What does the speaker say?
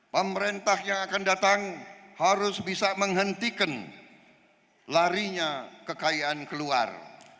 pemerintah yang akan datang harus bisa menghentikan larinya kekayaan keluar